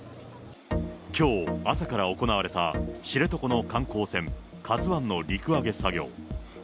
きょう、朝から行われた知床の観光船、ＫＡＺＵＩの陸揚げ作業。